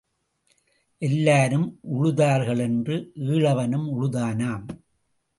எல்லாரும் உழுதார்களென்று ஈழவனும் உழுதானாம்.